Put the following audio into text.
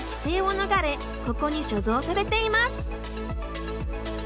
ここに所蔵されています。